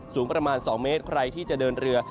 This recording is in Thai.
สูงประมาณ๒เมตรเกินเรือ